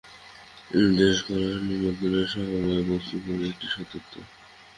দেশ-কাল-নিমিত্তের সমবায়ে বস্তু একটি সত্ত্ব।